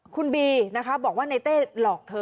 คุณบีนะคะบอกว่าในเต้หลอกเธอ